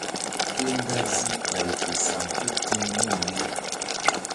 Ke dazi bay fe saŋ kéti̧h nun ye.